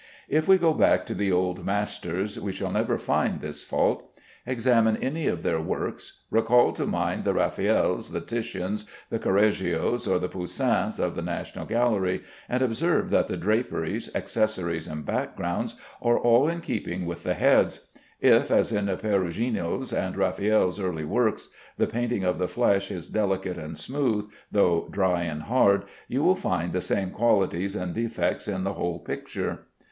If we go back to the old masters, we shall never find this fault. Examine any of their works. Recall to mind the Raffaelles, the Titians, the Correggios, or the Poussins of the National Gallery, and observe that the draperies, accessories, and backgrounds are all in keeping with the heads. If, as in Perugino's and Raffaelle's early works, the painting of the flesh is delicate and smooth, though dry and hard, you will find the same qualities and defects in the whole picture.